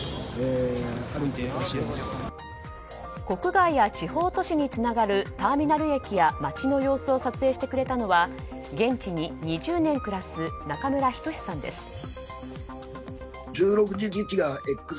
国外や地方都市につながるターミナル駅や街の様子を撮影してくれたのは現地に２０年暮らす中村仁さんです。